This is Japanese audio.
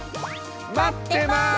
待ってます！